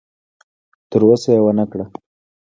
تر اوسه یې ونه کړه.